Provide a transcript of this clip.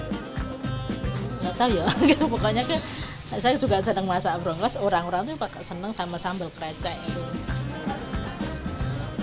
gak tahu ya pokoknya saya juga senang masak brongos orang orang itu senang sama sambal krecek